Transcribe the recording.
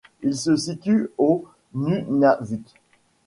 Ils se situent au Nunavut.